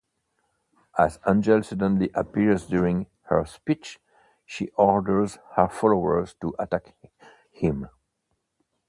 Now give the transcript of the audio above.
As Angel suddenly appears during her speech she orders her followers to attack him.